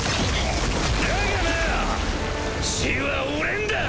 だがな死は俺んだ！